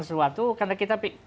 sesuatu karena kita